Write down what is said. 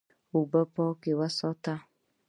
اوبه پاکې وساته.